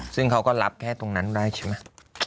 ซึ่งเขาก็รับแค่ตรงนั้นได้ใช่ไหม